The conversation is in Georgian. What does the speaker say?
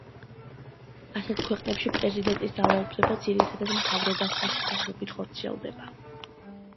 ასეთ ქვეყნებში პრეზიდენტის ძალაუფლება ძირითადად მთავრობასთან შეთანხმებით ხორციელდება.